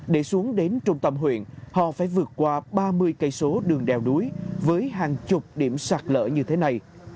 để xuống đến trung tâm huyện họ phải vượt qua ba mươi cây số đường đèo đuối với hàng chục điểm sạt lỡ như thế này